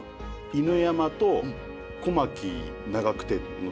犬山と小牧長久手の３か所。